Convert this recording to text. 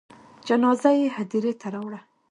جنازه یې هدیرې ته راوړه.